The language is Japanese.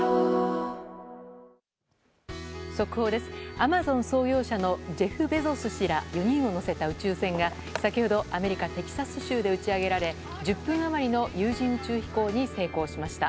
アマゾン創業者のジェブ・ベゾス氏ら４人を乗せた宇宙船が先ほどアメリカ・テキサス州で打ち上げられ１０分余りの有人宇宙飛行に成功しました。